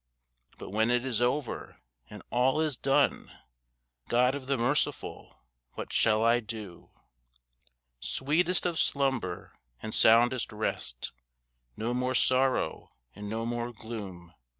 But when it is over, and all is done, God of the Merciful, what shall I do? Sweetest of slumber, and soundest rest, No more sorrow, and no more gloom.